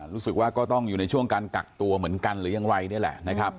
รู้สึกว่าก็ต้องอยู่ในช่วงการกักตัวเหมือนกันหรือยังไรนี่แหละนะครับ